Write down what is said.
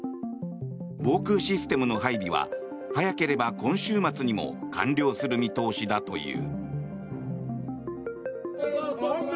防空システムの配備は早ければ今週末にも完了する見通しだという。